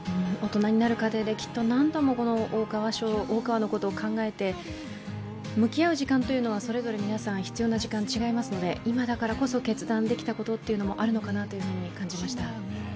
大人になる過程で何度も大川のことを考えて、向き合う時間はそれぞれ皆さん、必要な時間、違いますので今だからこそ決断できたこともあるのかなと感じました。